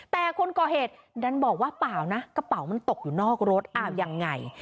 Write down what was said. แต่คนก่อเหตุดันบอกว่าเปล่านะกระเป๋ามันตกอยู่นอกรถอ้าวยังไง